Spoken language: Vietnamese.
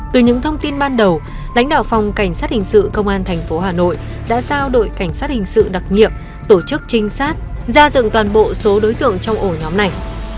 từ những thông tin ban đầu lãnh đạo phòng cảnh sát hình sự công an tp hà nội đã giao đội cảnh sát hình sự đặc nhiệm tổ chức trinh sát ra dựng toàn bộ số đối tượng trong ổ nhóm này